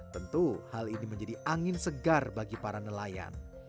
tentu hal ini menjadi angin segar bagi para nelayan